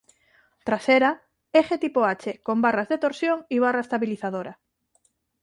Trasera: eje tipo H, con barras de torsión y barra estabilizadora.